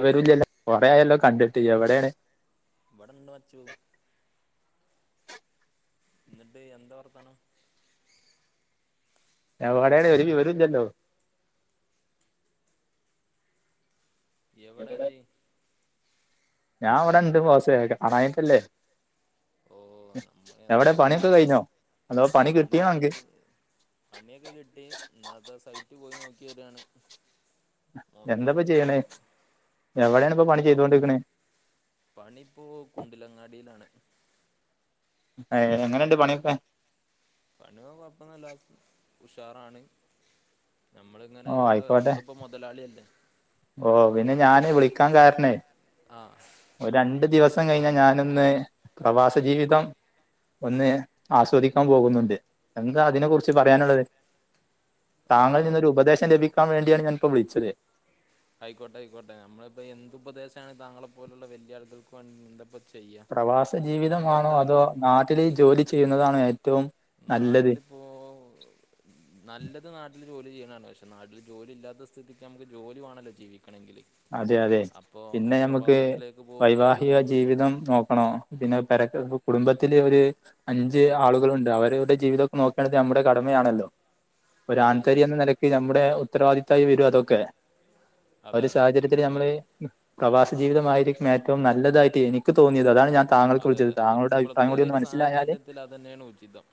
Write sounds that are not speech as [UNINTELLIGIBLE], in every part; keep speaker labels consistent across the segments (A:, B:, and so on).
A: ഒരു വിവരൊല്ലല്ലോ, കൊറെ ആയല്ലോ കണ്ടിട്ട്? എവിടെണ്?
B: ഇവിടെണ്ട് മച്ചു എന്നിട്ട്, എന്താ വർത്തനം?
A: എവടെണ്? ഒരു വിവരൊല്ലല്ലോ?
B: എവടെ ഇജ്ജ്?
A: ഞാൻ വ്ടെ ഇണ്ട് ബോസ്സേ, കാണായിട്ടല്ലേ!
B: ഓ നമ്മൾ
A: എവിടെ
B: എന്തെന്നിട്ട്
A: പണിയൊക്കെ കഴിഞ്ഞോ? അതോ
B: പണി
A: കിട്ടിയോ അനക്ക്
B: പണിയൊക്കെ കിട്ടി ഇന്നാത്തെ സൈറ്റ് പോയി നോക്കി ക്കി വരാണ്.
A: എന്തപ്പ
B: മൊത്തത്തില്
A: ചെയ്യണേ? എവിടേണ്പ്പ പണി
B: എന്ത
A: ചെയ്തൊണ്ട്ക്ക്ണ്?
B: പണിപ്പോ, കുണ്ടിലങ്ങാടിലാണ്.
A: അ, എങ്, എങ്ങനെണ്ട് പണിയൊക്കെ?
B: പണിയൊക്കെ കൊഴപ്പുന്നുല്ലാ ഉഷാറാണ്.
A: ഓ
B: നമ്മളിങ്ങനെ
A: ആയിക്കോട്ടെ
B: നഞമ്മളിപ്പോ മൊതലാളി അല്ലേ.
A: ഓ പിന്നെ ഞാന് വിളിക്കാൻ കാരണേ
B: ആ
A: ഒരണ്ടു ദിവസ മ് കഴിഞ്ഞാൽ ഞാനിന്ന് പ്രവാസ ജീവിതം ഒന്ന് ആസ്വദിക്കാൻ പോകുന്നുണ്ട്. എന്താ അതിനെ കുറിച്ച് പറയാനുള്ളത്?
B: ആ
A: താങ്കളിൽ നിന്നൊരു ഉപദേശം ലഭിക്കാൻ വേണ്ടിയാണ് ഞാനിപ്പോൾ വിളിച്ചത്.
B: ആയിക്കോട്ടെ ആയിക്കോട്ടെ. നമ്മളിപ്പോ എന്ത് ഉപദേശാണ് താങ്കളെ പോലുള്ള വെല്ല്യ ആ ളുകൾക്ക് വ
A: പ്രവാസ ജീവിതമാണോ, അതോ നാട്ടില് ജോലി ചെയ്യുന്നതാണോ ഏ
B: നാട്ടിലിപ്പോ നല്ലത് നാട്ടില് ജോലി ചെയ്യണ. ണ് പക്ഷെ നാട്ടിൽ ജോലി ഇല്ലാത്ത സ്ഥിതിക്ക് നമുക്ക് ജോലി വാണല്ലോ ജീവിക്കണെങ്കില്.
A: അതെ അതെ
B: അപ്പോ
A: പിന്നെ നമുക്ക്
B: പ്രവാസത്തിലേക്ക്
A: വൈവാഹിക
B: പോവുകയായിരിക്കും നല്ലത്
A: ജീവിതം നോക്കണോ, പിന്നെ പരക്ക് കുടുംബത്തില ഒരു അഞ്ച്
B: ആയിക്കോട്ടെ ആയിക്കോട്ടെ
A: ആളുകളുണ്ട് അവരുടെ ജീവിതൊക്കെ നോക്കേണ്ടത് നമ്മുടെ കടമയാണല്ലോ. ഒരു ആൺ
B: അതെ അതെ
A: തരി എന്ന നിലക്ക് നമ്മുടെ ഉത്തരവാദിത്തായി വരും അതൊക്കെ.
B: അതെ അതെ.
A: ഇരത്തിൽ നമ്മള്
B: തീർച്ചയായും
A: പ്രവാസ ജീവിതമായിരിക്കും ഏറ്റവും നല്ലതായിട്ട് എനിക്ക് തോന്നിയത് അതാണ് ഞാൻ താങ്കൾക്ക്
B: അതെ
A: വിളിച്ചത്
B: അതെ
A: താങ്കളുടെ അഭിപ്രായം
B: ഇപ്പളത്തെ
A: കൂടി ഒന്ന്
B: ഈഒരു
A: മനസ്സിലായാല്
B: സാഹചര്യത്തിൽ അതെന്നേണ് ഉചിതം.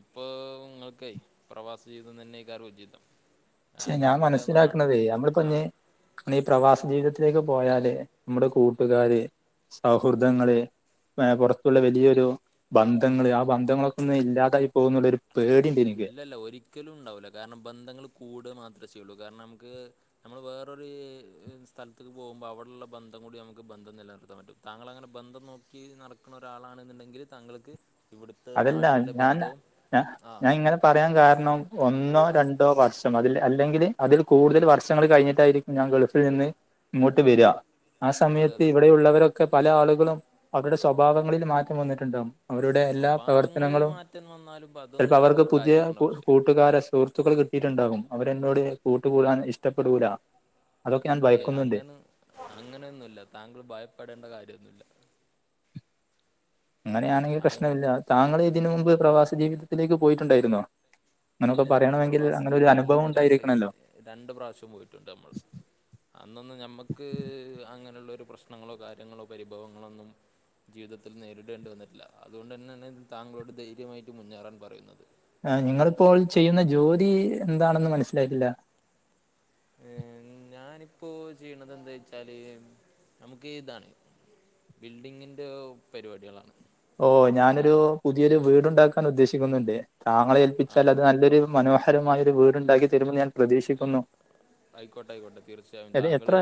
B: ഇപ്പൊ ഇങ്ങൾക്കെ പ്രവാസ ജീവിതം തന്നെയ്ക്കാരം ഉചിതം.
A: ക്ഷെ
B: കാരണം
A: ഞാൻ
B: ഇവിടെ
A: മനസ്സിലാക്കണതേ
B: നാട്ടില് ആ
A: നമ്മൾപ്പിഞ് ഈ പ്രവാസ ജീവിതത്തി ത്തിലേക്ക് പോയാല് നമ്മുടെ കൂട്ടുകാാര് സൗഹൃദങ്ങള് ഏ പുറത്തുള്ള വലിയൊരു ബന്ധങ്ങള്, ആ ബന്ധങ്ങളൊക്ക ഒന്നില്ലാതായി പോകുന്നുള്ളൊരു പേടിണ്ട് എനിക്ക്
B: ഇല്ലല്ല ഒരിക്കലും ഉണ്ടാവൂല കാരണം ബന്ധങ്ങൾ കൂട മാത്ര യ്യ്ള്ളൂ കാരണമുക്ക് നമ്മൾ വേറൊരു സ്ഥലത്തക്ക് പോകുമ്പോൾ അവിടെള്ള ബന്ധം കൂടി നമുക്ക് ബ ബന്ധം നിലനിർത്താൻ പറ്റും. താങ്കളങ്ങനെ ബന്ധം നോക്കി നടക്കുന്ന ഒരാളാണെന്നുണ്ടെങ്കിൽ താങ്കൾക്ക് ഇവിടുത്തെ
A: അതല്ല
B: നാട്ടിലെ
A: ഞാൻ
B: ബന്ധവും
A: ഞാ
B: ആഹ
A: ഞാൻ ഇങ്ങനെ പറയാൻ കാരണം ഒന്നോ രണ്ടോ വർഷം അതിൽ അല്ലെങ്കിൽ അതിൽ കൂടുതൽ വർഷങ്ങൾ കഴിഞ്ഞിട്ടായിരിക്കും ഞ ൻ ഗൾഫിൽ നിന്ന് ഇങ്ങോട്ട് വെര. ആ
B: അതെ
A: സമയത്ത്
B: അതെ
A: ഇവിടെയുള്ളവരൊക്കെ പല ആളുകളും അവരുടെ സ്വഭാവങ്ങളിൽ മാറ്റം വന്നിട്ടുണ്ടാവും. അവരുടെ എല്ലാ
B: സ്വഭാവങ്ങളിൽ
A: പ്രവർത്തനങ്ങളും
B: മാറ്റം വന്നാലും ഇപ്പം അതൊന്നും
A: ചിൽപ്പോൾ
B: ഇപ്പോൾ
A: അവർക്ക് പുതിയ
B: കാര്യമാക്കേണ്ട
A: കൂ
B: ആവശ്യം
A: കൂട്ടുകാരെ സുഹൃത്തുക്കൾ കി ട്ടീട്ടണ്ടാകും. അവരെന്നോട് കൂട്ടു കൂടാൻ ഇഷ്ടപ്പെടൂല. അതൊക്കെ ഞാൻ
B: ഏ
A: ഭയക്കുന്നുണ്ട്
B: അങ്ങനെ അങ്ങനൊന്നുല്ല താങ്കൾ ഭയപ്പെടേണ്ട കാര്യന്നൂല്ല.
A: അങ്ങനെയാണെങ്കി പ്രശ്നമില്ല. താങ്കൾ ഇതിന് മുമ്പ് പ്രവാസ ജീവിതത്തിലേക്ക് പോയിട്ടുണ്ടായിരുന്നോ? അങ്ങനൊക്കെ
B: പിന്നെ നമ്മൾ
A: പറയണമെങ്കിൽ
B: പ്രവാസ
A: അങ്ങനെ ഒരു അനുഭവം
B: ജീവിതത്തിലേക്ക് രണ്ട്
A: ഉണ്ടായിരിക്കണല്ലോ
B: രണ്ട് പ്രാവശ്യം പോയിട്ടുണ്ട് നമ്മൾ. അന്നൊന്ന് ഞമ്മക്ക് അങ്ങനെയുള്ളരു പ്രശ്നങ്ങളോ കാര്യങ്ങളോ പരിഭവങ്ങളൊന്നും ജീവിതത്തിൽ നേരിടേണ്ടി വന്നിട്ടില്ല. അതുകൊണ്ടെന്നേണ് താങ്കളോട് ധൈര്യമായിട്ട് മുന്നേറാൻ പറയുന്നത്.
A: ആ നിങ്ങളിപ്പോൾ ചെയ്യുന്ന ജോലി എന്താണെന്ന് മനസ്സിലായിട്ടില്ല?
B: ഞാനിപ്പോ ചെയ്യണതെന്തേച്ചാല് നമുക്ക് താണ് ബിൽഡിങ്ങിന്റെ പരിപാടികളാണ്.
A: ഓ ഞാനൊരു പുതിയൊരു വീടുണ്ടാക്കാൻ ഉദ്ദേശിക്കുന്നുണ്ട്. താങ്കളെ
B: ആ,
A: ഏൽപ്പിച്ചാൽ അത് നല്ലൊരു മനോഹരമായ ഒരു വീടുണ്ടാക്കി തരുമെന്ന് ഞാൻ പ്രതീക്ഷിക്കുന്നു.
B: ആയിക്കോട്ടെ ആയിക്കോട്ടെ തീർച്ചയായും.
A: അത്
B: താങ്കൾ
A: എത്ര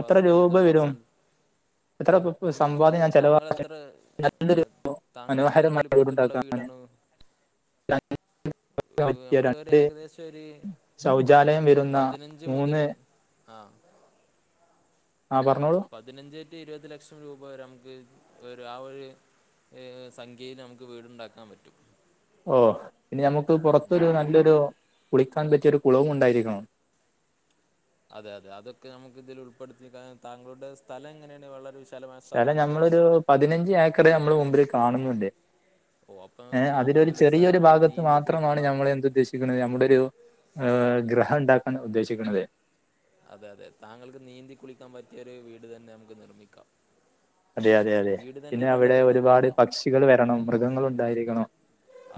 A: എത്ര രൂപ
B: ജീവിതം
A: വരും
B: അവസാനം
A: എത്ര ദുപ്പ് സംവാദ്യം ഞാൻ ചെലവാ ത്
B: താങ്കളെത്ര വലിപ്പത്തിലുള്ള
A: മനോഹരമായോട്ണ്ടാക്കാന്
B: വീടാണ് ഏഹ്
A: [UNINTELLIGIBLE]
B: നമുക്ക് ഒരു
A: രണ്ട്
B: ഏകദേശം ഒരു
A: ശൗചാലയം വരുന്ന
B: പതിനഞ്ച് മുതല് ആ
A: ആ പറഞ്ഞോളൂ
B: പതിനഞ്ച് ഇരുപത് ലക്ഷം രൂപ വരെ നമുക്ക് ഒരു ആ ഒരു സംഖ്യയിൽ നമുക്ക് വീടുണ്ടാക്കാൻ പറ്റും
A: ഓ ഇനി ഞമ്മക്ക് പുറത്തൊരു നല്ലൊരു കുളിക്കാൻ പറ്റിയൊരു കുളവും ഉണ്ടായിരിക്കണം [INAUDIBLE]
B: അതെ അതെ അതൊക്കെ നമുക്ക് ഇതിൽ ഉൾപ്പെടുത്തി താങ്കളുടെ സ്ഥലം എങ്ങനെയാണ് വളരെ വിശാലമായ
A: സ്ഥലം
B: സ്ഥലമാണോ അതോ
A: ഞമ്മളൊരു പതിനഞ്ച് ഏക്കർ നമ്മള് മുമ്പില് കാണുന്നുണ്ട്
B: ഓ അപ്പം
A: ഏ അതിൽ ഒരു
B: താങ്കൾക്ക്
A: ചെറിയൊരു
B: വിശാലമായി
A: ഭാഗത്ത്
B: നീന്തി
A: മാത്രമാണ്
B: കുളിക്കാനുള്ള
A: ഞമ്മള് എന്തു ഉദ്ദേശിക്കണത് ഞമ്മടൊരു ഏ ഗൃഹം ഉണ്ടാക്കാൻ ഉദ്ദേശിക്കണതേ
B: അതെ അതെ താങ്കൾക്ക് നീന്തി കുളിക്കാൻ പറ്റിയൊരു വീട് തന്നെ നമുക്ക് നിർമ്മിക്കാം
A: അതെ അതെ അതെ
B: വീട് തന്നെ
A: പിന്നെ അവിടെ
B: വെള്ളത്തിൽ
A: ഒരുപാട്
B: നിർമ്മിക്കണോ
A: പക്ഷികൾ വരണം മൃഗങ്ങൾ ഉണ്ടായിരിക്കണം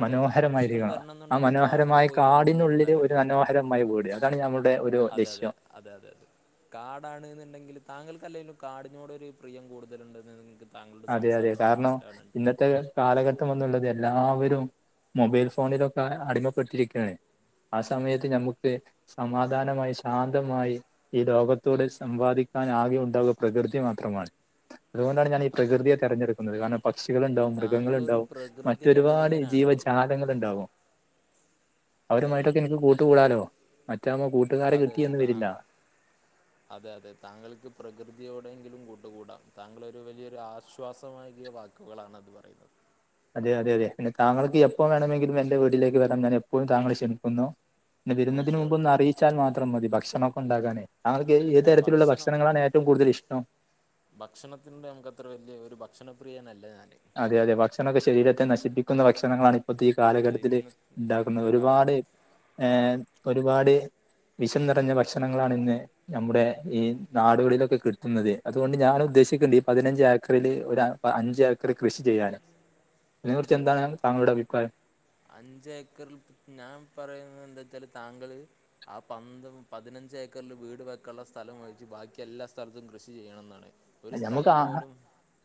B: അതെ അതെ പക്ഷികൾ
A: മനോഹരമായിരിക്കണം
B: വരണം
A: ആ
B: എന്നുണ്ടെങ്കിൽ കാട്ടിൽ
A: മനോഹരമായ
B: പോയി നമുക്ക്
A: കാടിനുള്ളില് ഒരു
B: വീടുണ്ടാക്കേണ്ടി വരും
A: മനോഹരമായ വീട് അതാണ് ഞാൻ നമ്മുടെ ഒരു ലക്ഷ്യം
B: കാടാണ്ന്നുണ്ടെങ്കിൽ താങ്കൾക്കല്ലെലും കാടിനോട് ഒരു പ്രിയം കൂടുതലുണ്ട്ന്ന്
A: അതെ അതെ കാരണം ഇന്നത്തെ കാലഘട്ടം എന്നുള്ളത് എല്ലാവരും മൊബൈൽ ഫോണിലൊക്കെ അടിമപ്പെട്ടിരിക്കാണ് ആ സമയത്ത് ഞമ്മുക്ക് സമാധാനമായി ശാന്തമായി ഈ ലോകത്തോട് സംവാദി ക്കാൻ ആകെ ഉണ്ടാവുക പ്രകൃതി മാത്രമാണ് അതുകൊണ്ടാണ് ഞാൻ ഈ
B: അതെ
A: പ്രകൃതിയെ
B: അതെ
A: തെരഞ്ഞെടുക്കുന്നത് കാരണം പക്ഷികളുണ്ടാവും
B: താങ്കളൊരു
A: മൃഗങ്ങളുണ്ടാവും
B: പ്രകൃതി
A: മറ്റൊരുപാട്
B: രമണീയനാണല്ലേ
A: ജീവജാലങ്ങൾ ഉണ്ടാവും
B: അതെ അതെ
A: അവരുമായിട്ടൊക്കെ എനിക്ക് കൂട്ട് കൂടാലോ
B: അതെ അതെ താ അതെ അതെ താങ്കൾക്ക് പ്രകൃതിയോടെങ്കിലും കൂട്ട് കൂട താങ്കളൊരു വലിയൊരു ആശ്വാസമാകിയ വാക്കുകളാണ് അത് പറയുന്നത്
A: അതെ അതെ അതെ പിന്നെ താങ്കൾക്ക് എപ്പോൾ വേണമെങ്കിലും എന്റെ വീട്ടിലേക്ക് വരാം ഞാൻ എപ്പഴും താങ്കളെ ക്ഷണിക്കുന്നു പിന്നെ വരുന്നതിന്
B: ഓക്കെ
A: മുമ്പ് ഒന്ന്
B: ഓക്കെ
A: അറിയിച്ചാൽ മാത്രം മതി ഭക്ഷണം ഒക്കെ ഉണ്ടാക്കാനേ താങ്കൾക്ക് ഏത്
B: അല്ല
A: തരത്തിലുള്ള
B: ഭക്ഷണം
A: ഭക്ഷണങ്ങളാണ് ഏറ്റവും കൂടുതൽ ഇഷ്ടം
B: ഭക്ഷണത്തിനോട് നമുക്ക് അത്ര വലിയ ഒരു ഭക്ഷണപ്രിയനല്ല ഞാൻ
A: അതെ അതെ ഭക്ഷണൊക്കെ ശരീരത്തെ നശിപ്പിക്കുന്ന ഭക്ഷണങ്ങളാണ് ഇപ്പത്തെ ഈ
B: അത്
A: കാലഘട്ടത്തില്
B: ഇന്ന്
A: ഉണ്ടാക്കുന്നത്
B: ഇന്നത്തെ
A: ഒരുപാട്
B: കാലഘട്ടത്തിൽ
A: ഏ ഒരുപാട് വിഷം നിറഞ്ഞ ഭക്ഷണങ്ങളാണ് ഇന്ന് ഞമ്മുടെ ഈ നാടുകളിലൊക്കെ കിട്ടുന്നത് അതുകൊണ്ട് ഞാൻ ഉദ്ദേശിക്കണ്ട് ഈ പതിനഞ്ച് ഏക്കറിൽ ഒരു അഞ്ചേക്കർ ക്കറി കൃഷി ചെയ്യാനും അതിനെക്കുറിച്ച് എന്താണ് താങ്കളുടെ അഭിപ്രായം
B: അഞ്ച് ഏക്കറിൽ ഞാൻ പറയുന്നത് എന്താച്ചാല് താങ്കള് ആ പന്ത് പതിനഞ്ച് ഞ്ച് ഏക്കറിൽ വീട് വെക്കള്ള സ്ഥലം ഒയിച്ച് ബാക്കി എല്ലാ സ്ഥലത്തും കൃഷി ചെയ്യണംമെന്നാണ്
A: ഞമ്മുക്ക് ആ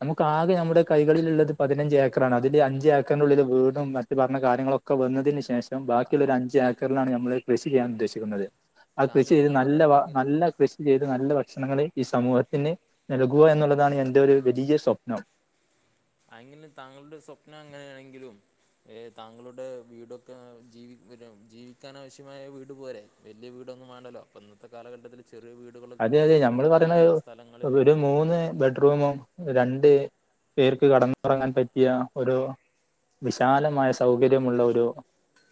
A: നമുക്ക് ആകെ നമ്മുടെ കൈകളിലുള്ളത് പതിനഞ്ച് ഏക്കറാണ് അതില് അഞ്ച് ഏക്കറിനുള്ളിൽ വീടും മറ്റ് പറഞ്ഞ കാര്യങ്ങളൊക്കെ വന്നതിന് ശേഷം ബാക്കിയുള്ള
B: അത്
A: ഒരു അഞ്ച് ഏക്കറിലാണ് ഞമ്മള് കൃഷി ചെയ്യാൻ ഉദ്ദേശിക്കുന്നത് ആ കൃഷി
B: താങ്കൾ
A: ചെയ്ത്
B: ഞാൻ
A: നല്ല
B: പറയണെങ്കിൽ
A: നല്ല കൃഷി ചെയ്ത് നല്ല ഭക്ഷണങ്ങള് ഈ സമൂഹത്തിന് നൽകുക എന്നുള്ളതാണ് എന്റെ ഒരു വലിയ സ്വപ്നം
B: അങ്ങനെ താങ്കളുടെ സ്വപ്നം അങ്ങനെയാണെങ്കിലും ഏ താങ്കളുടെ വീടൊക്കെ ജീവി ജീവിക്കാനാവശ്യമായ വീട് പോരെ വലിയ വീട് ന്നും വേണ്ടല്ലോ പ്പൊ ഇന്നത്തെ കാലഘട്ടത്തിൽ ചെറിയ വീടുകളൊക്കെ
A: അതെ അതെ
B: വെച്ച്
A: നമ്മള് പറയണ
B: ബാക്കിയുള്ള സ്ഥലങ്ങളിൽ
A: ഒരു മൂന്ന് ബെഡ്റൂമും രണ്ട് പേർക്ക് കെടന്നൊറങ്ങാൻ പറ്റിയ ഒരു വിശാലമായ സൗകര്യമുള്ള ഒരു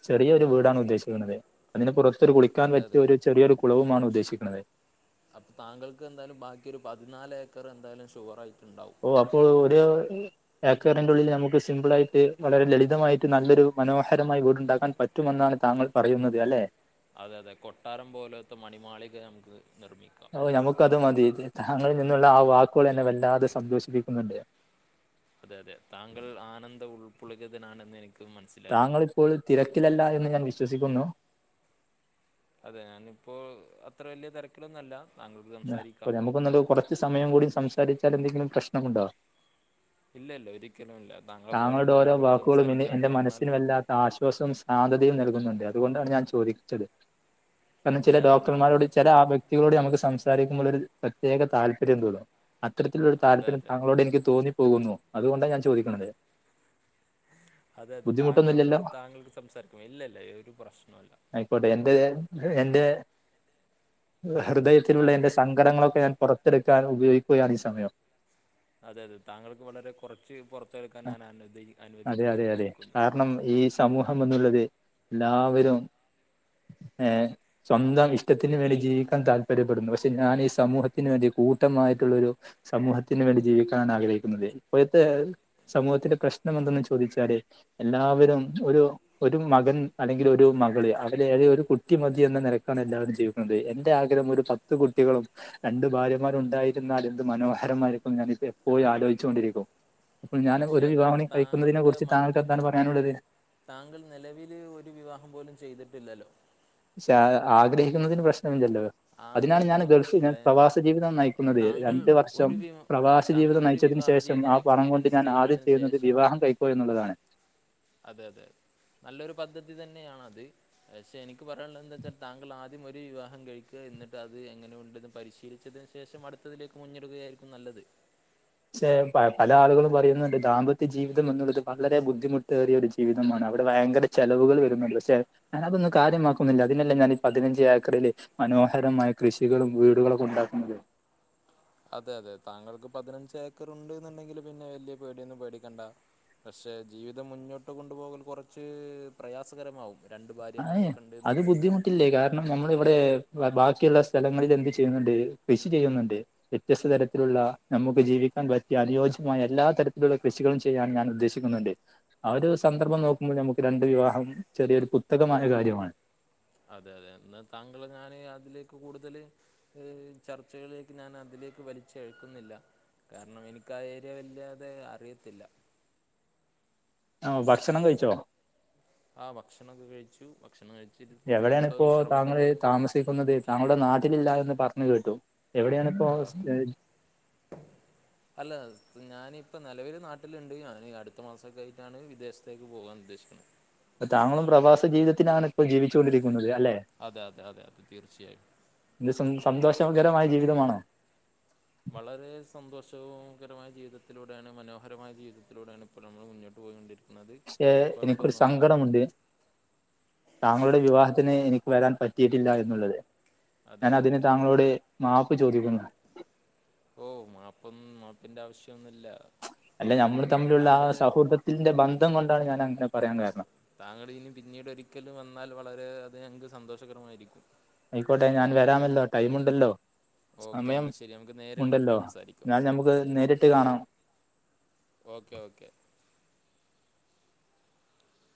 A: ചെറിയ ഒരു വീടാണ് ഉദ്ദേശിക്കുന്നത് അതിനെ കുറിച്ച് കുളിക്കാൻ
B: അതെ
A: പറ്റിയ
B: അതെ
A: ഒരു ചെറിയൊരു കുളവുമാണ് ഉദ്ദേശിക്കുന്നത്
B: അപ്പൊ താങ്കൾക്ക് എന്തായാലും ബാക്കി ഒരു പതിനാല് ഏക്കർ എന്തായാലും ഷുവർ ആയി
A: ഓ അപ്പോൾ ഒരു ഏക്കറിന്റെ ഉള്ളിൽ നമുക്ക് സിമ്പിളായിട്ട് വളരെ ലളിതമായിട്ട് നല്ലൊരു മനോഹരമായി വീടുണ്ടാക്കാൻ പറ്റുമെന്നാണ് താങ്കൾ പറയുന്നത് അല്ലെ.
B: അതെ അതെ കൊട്ടാരം പോലത്തെ മണിമാളിക നമുക്ക് നിർമ്മിക്കാം
A: ഓ ഞമക്ക് അത് മതി. താങ്ങളിൽ നിന്നുള്ള ആ വാക്കുകൾ എന്നെ വല്ലാതെ സന്തോഷിപ്പിക്കുന്നുണ്ട്.
B: അതെ അതെ താങ്കൾ ആനന്ദം ഉൾപൊള്ളുകതനാണെന്ന് എനിക്ക് മനസ്സിലായി
A: താങ്കളിപ്പോൾ തിരക്കിലല്ലാ എന്ന് ഞാൻ വിശ്വസിക്കുന്നു.
B: അതെ ഞാനിപ്പോ അത്ര വലിയ തിരക്കിലൊന്നല്ല. താങ്കൾക്ക്
A: അപ്പ
B: സംസാരിക്കാം
A: നമുക്കൊന്നണ്ട് കൊറച്ച് സമയം കൂടി സംസാരിച്ചാൽ എന്തെങ്കിലും പ്രശ്നമുണ്ടോ?
B: ഇല്ല ഇല്ല ഒരിക്ക
A: താങ്കളുടെ ഓരോ വാക്കുകളും ഇനി
B: എന്ന്
A: എൻ്റെ
B: പറഞ്ഞാൽ
A: മനസ്സിന് വല്ലാത്ത ആശ്വാസും ശാന്തതയും നൽകുന്നുണ്ട്. ത്കൊണ്ടാണ് ഞാൻ ചോദിച്ചത്. ല്ല ചില
B: ഇല്ല ഇല്ല
A: ഡോക്ടർമാരോട്
B: താങ്കൾക്ക് എത്ര
A: ചില ആ
B: മണി-
A: വ്യക്തികളോട് നമുക്ക് സംസാരിക്കുമ്പോൾ ഒരു പ്രത്യേക താല്പര്യം തോന്നും. അത്തരത്തിലൊരു
B: അതെ
A: താല്പര്യം
B: അതെ
A: താങ്കളോട് എനിക്ക് തോന്നിപ്പോകുന്നു. അതുകൊണ്ടാ ഞാ ചോദിക്ക്ണത്. [INAUDIBLE]
B: അതെ അതെ താങ്കൾ
A: ബുദ്ധിമുട്ടൊന്നുമില്ലല്ലോ
B: താങ്കൾക്ക് സംസാരിക്കും ഇല്ലല്ല എനിക്ക് ഒരു പ്രശ്നൊല്ല.
A: ആയിക്കോട്ടെ എന്റെ എന്റെ ഹൃദയത്തിലുള്ള എന്റെ
B: താങ്കൾ
A: സങ്കടങ്ങളൊക്കെ ഞാൻ പുറത്തെടുക്കാൻ ഉപയോഗിക്കുകയാണ് ഈ സമയം.
B: അതെ അതെ താങ്കൾക്ക് വളരെ കുറച്ച് പുറത്ത്
A: അതെ അതെ അതെ കാരണം ഈ സമൂഹം എന്നുള്ളത് ല്ലാവരും ഏ സ്വന്തം ഇഷ്ടത്തിനന് വേണ്ടി ജീവിക്കാൻ താല്പര്യപ്പെടുന്നു. പക്ഷെ ഞാനീ സമൂഹത്തിന് വേണ്ടി കൂട്ടമായിട്ടുള്ളരു സമൂഹത്തിന് വേണ്ടി ജീവിക്കാനാഗ്രഹിക്കുന്നത്. ഇപ്പോഴത്തെ സമൂഹത്തിന്റെ പ്രശ്നം എന്തെന്ന് ചോദിച്ചാല് എല്ലാവരും ഒരു ഒരു മകൻ അല്ലെങ്കിൽ ഒരു മകള് അവര് എയ ഒരു കുട്ടി മതി എന്ന നെലക്കാണ് എല്ലാവരും ജീവിക്കുന്നത്. എന്റെ ആഗ്രഹം ഒരു പത്ത് കുട്ടികളും രണ്ടു ഭാര്യമാരു ഉണ്ടായിരുന്നാലും എന്ത് മനോഹരമായിരിക്കുന്ന് ഞാനെപ്പോഴും ആലോചിച്ചൊണ്ടിരിക്കും. ഞാൻ
B: പക്ഷെ
A: ഒരു
B: അത്
A: വിവാഹം
B: മ
A: കൂടി കഴിക്കുന്നതിനെ കുറിച്ച് താങ്കൾക്ക് എന്താണ് പറാനുള്ളത്?
B: താങ്കള് നിലവില് ഒരു വിവാഹം പോലും ചെയ്തിട്ടില്ലല്ലോ.
A: ആഗ്രഹിക്കുന്നതിന് പ്രശ്നമില്ലല്ലോ.? അതിനാണ് ഞാൻ
B: ആഗ്രഹിക്കുന്നത്
A: ഗൾഫ്
B: പ്രശ്നമില്ല
A: പ്രവാസ ജീവിതം നയിക്കുന്നത്.
B: താങ്കൾ
A: രണ്ട് വർഷം
B: ഒരു വി
A: പ്രവാസ
B: താങ്കൾ
A: ജീവിതം
B: ഒരു
A: നയിച്ച് അതിനു
B: വിവാഹ
A: ശേഷം
B: ജീവിതം
A: ആ പണം കൊണ്ട്
B: എക്സ്പീരിയൻസ്
A: ഞാൻ ആദ്യം
B: ചെയ്തതിന്
A: ചെയ്യുന്നത്
B: ശേഷം
A: വിവാഹം കൈയ്ക്കുക എന്നുള്ളതാണ്.
B: അതെ അതെ നല്ലൊരു പദ്ധതി തന്നെ. ണത് പക്ഷെ എനിക്ക് പറയാനുള്ളത് എന്താ വെച്ചാൽ താങ്കൾ ആദ്യം ഒരു വിവാഹം കഴിക്കു. എന്നിട്ട് അത് എങ്ങനെയു ണ്ടെന്ന് പരിശീലിച്ചതിന് ശേഷം അടുത്തതിലേക്ക് മുന്നിടുകയായിരിക്കും നല്ലത്.
A: ക്ഷെ പല ആളുകളും പറയുന്നുണ്ട് ദാമ്പത്യ ജീവിതം എന്നുള്ളത് വളരെ ബുദ്ധിമുട്ടേറിയ ഒരു ജീവിതമാണ്. അവിടെ ഭയങ്കര ചെലവുകൾ വരുന്നുണ്ട്. പക്ഷെ ഞാന തൊന്നും കാര്യമാക്കുന്നില്ല. അതിനെല്ലെ ഞാനീ പതിനഞ്ച് ഏക്കറില് മ മനോഹരമായ കൃഷികളും വീടുകളൊക്കെ ണ്ടാക്കുന്നത്.
B: അതെ അതെ താങ്കൾക്ക് പതിനഞ്ച് ഏക്കർ ഉണ്ട് ന്ന്ണ്ടെങ്കില് പിന്നെ വലിയ പേടിയൊന്നും പേടിക്കണ്ട. പക്ഷെ ജീവിതം മുന്നോട്ട് കൊണ്ടുപോകൽ കൊറച്ച് പ്രയാസകരമാവും. രണ്ട്
A: അ
B: ഭാര്യമാരൊക്കെ ഉണ്ട് എന്ന്
A: അത്
B: പറയുമ്പോൾ
A: ബുദ്ധിമുട്ടില്ലേ കാരണം നമ്മള ഇവിടേ ബാക്കിയുള്ള സ്ഥലങ്ങളിൽ എന്ത് ചെയ്യുന്നുണ്ട്, കൃഷി ചെയ്യുന്നുണ്ട്. വ്യത്യസ്ത തരത്തിലുള്ള നമുക്ക് ജീവി പറ്റി അനുയോജ്യമായ എല്ലാ തരത്തിലുള്ള കൃഷികളും ചെയ്യാൻ ഞാൻ ഉദ്ദേശിക്കുന്നുണ്ട്. ആ ഒരു
B: ഓ
A: സന്ദർഭം നോക്കും രണ്ട് വിവാഹം ചെറിയൊരു കുത്തകമായ കാര്യമാണ്.
B: അതെ അതെ എന്ന താങ്കൾ ഞാന് അതിലേക്ക് കൂടുതല് ചർച്ചകളിലേക്ക് ഞാൻ അതിലേ വലിച്ച് എഴക്കുന്നില്ല. കാരണം എനിക്കാരൃ വലാതെ അറിയത്തില്ല.
A: ആ ഭക്ഷണം കഴിച്ചോ?
B: ആ ഭക്ഷണംൊക്കെ കഴിച്ചു. ഭക്ഷണം കഴി
A: എവിടേണ്പ്പോ താങ്കൾ താമസിക്കുന്നത്. താങ്കളുടെ നാട്ടിലില്ല എന്ന് പറഞ്ഞു കേട്ടു. എവിടെയണിപ്പോ സ്
B: ആ അല്ല ഞാനിപ്പം നിലവിൽ നാട്ടിലുണ്ട് ഞാന് അടുത്ത മാസംക്കെ ആയിട്ടാണ് വിദേശത്തേക്ക് പോകാൻ ഉദ്ദേശിക്കുന്നത്.
A: താങ്കളും പ്രവാസ ജീവിതത്തിലാണ് ഇപ്പോ ജീവിച്ചുകൊണ്ടിരിക്കുന്നത് അല്ലെ
B: അതെ അതെ അതെ അതെ തീർച്ചയായും.
A: തേകരമായ ജീവിതമാണോ?
B: വളരെ സന്തോഷകരമായ ജീവിതത്തിലൂടെയാണ് മനോഹരമായ ജീവിതത്തിലൂടെയാണ് ഇപ്പോൊ നമ്മൾ മുന്നോട്ട് പോയ്കൊണ്ടിരിക്കുന്നത്.
A: പക്ഷേ എനിക്കൊരു സങ്കടമുണ്ട്. താങ്കളുടെ വിവാഹത്തിന് എനിക്ക് വരാൻ പറ്റിയിട്ടില്ല എന്നുള്ളത്
B: അതെ
A: ഞാൻ
B: അതെ
A: അതിന്
B: അതെ
A: താങ്കളോട് മാപ്പ് ചോദിക്കുന്നു.
B: ഓ മാപ്പൊന്നും മാപ്പിന്റെ ആവശ്യോന്നുല്ല.
A: അല്ല ഞമ്മള് തമ്മിലുള്ള ആ സൗഹൃദത്തിന്റെ ബന്ധം കൊണ്ടാണ് ഞാൻ അങ്ങനെ പറയാൻ കാരണം
B: താങ്കൾ ഇനും പിന്നീട് ഒരിക്കലും വന്നാൽ വളരെ അത് ഞങ്ങക്ക് സന്തോഷകരമായിരിക്കും.
A: ആയിക്കോട്ടെ ഞാൻ വരാമല്ലോ ടൈം ഉണ്ടല്ലോ
B: ഓക്കെ
A: സമയം
B: എന്നാൽ ശരി നമുക്ക് നേരിൽ കണ്ട്
A: ഉണ്ടല്ലോ
B: സംസാരിക്കാം
A: എന്നാൽ ഞമ്മുക്ക്
B: ഓക്കെ
A: നേരിട്ട് കാണാം.
B: Okay okay